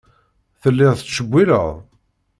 Telliḍ tettcewwileḍ.